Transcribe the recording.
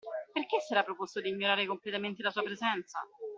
Perché s’era proposto di ignorare completamente la sua presenza?